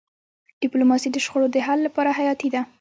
ډيپلوماسي د شخړو د حل لپاره حیاتي ده.